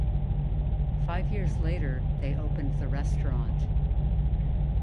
Five years later they opened the restaurant.